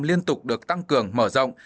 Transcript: liên tục được tăng cường mở rộng